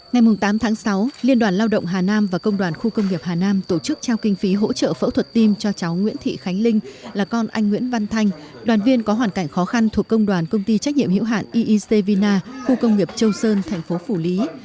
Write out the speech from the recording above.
ngày tám tháng sáu liên đoàn lao động hà nam và công đoàn khu công nghiệp hà nam tổ chức trao kinh phí hỗ trợ phẫu thuật tim cho cháu nguyễn thị khánh linh là con anh nguyễn văn thanh đoàn viên có hoàn cảnh khó khăn thuộc công đoàn công ty trách nhiệm hiệu hạn iic vina khu công nghiệp châu sơn thành phố phủ lý